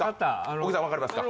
小木さん分かりますか？